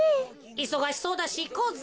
いそがしそうだしいこうぜ。